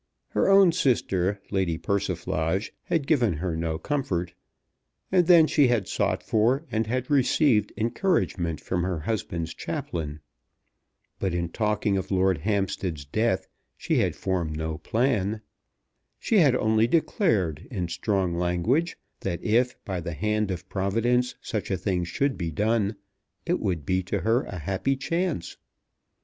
Her own sister, Lady Persiflage, had given her no comfort, and then she had sought for and had received encouragement from her husband's chaplain. But in talking of Lord Hampstead's death she had formed no plan. She had only declared in strong language that if, by the hand of Providence, such a thing should be done, it would be to her a happy chance.